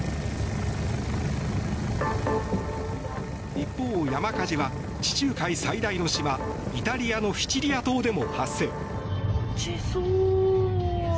一方、山火事は地中海最大の島イタリアのシチリア島でも発生。